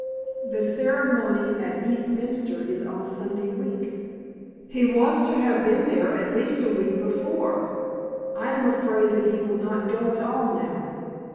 "The ceremony at Eastminster is on Sunday week. He was to have been there at least a week before. I am afraid that he will not go at all now."